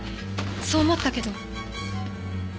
そう思ったけど。